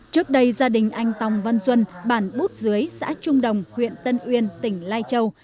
trước đây gia đình anh tòng văn duân bản bút dưới xã trung đồng huyện tân uyên tỉnh lai châu